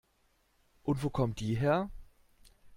Und wo kommt die her?